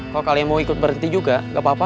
kalo kalian mau ikut berhenti juga gapapa